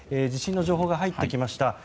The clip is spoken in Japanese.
地震の情報が入ってきました。